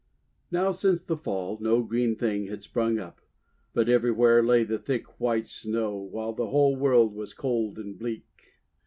Now since the Fall, no green thing had sprung up, but everywhere lay the thick white Snow, while the whole World was cold and bleak.